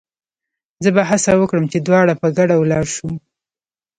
زه به هڅه وکړم چې دواړه په ګډه ولاړ شو.